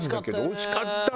おいしかった。